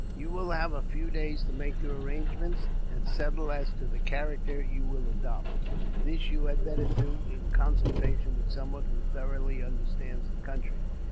"You will have a few days to make your arrangements, and settle as to the character you will adopt. This you had better do, in consultation with someone who thoroughly understands the country.